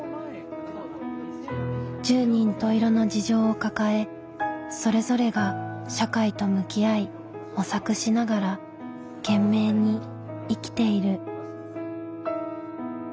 十人十色の事情を抱えそれぞれが社会と向き合い模索しながら懸命に生きている。